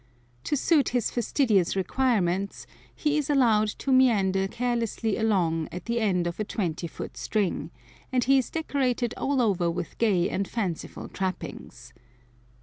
To suit his fastidious requirements he is allowed to meander carelessly along at the end of a twenty foot string, and he is decorated all over with gay and fanciful trappings.